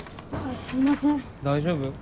すいません大丈夫？